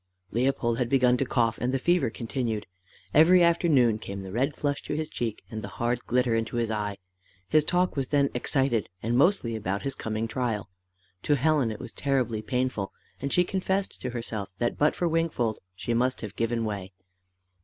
Leopold had begun to cough, and the fever continued. Every afternoon came the red flush to his cheek, and the hard glitter into his eye. His talk was then excited, and mostly about his coming trial. To Helen it was terribly painful, and she confessed to herself that but for Wingfold she must have given way.